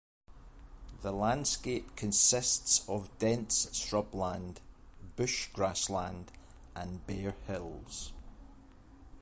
The landscape consists of dense shrubland, bush grassland and bare hills.